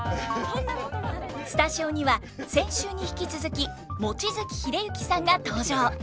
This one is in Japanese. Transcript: スタジオには先週に引き続き望月秀幸さんが登場。